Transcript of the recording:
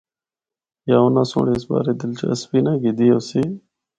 یا اُنّاں سنڑ اس بارے دلچسپی نہ گدی ہوسی۔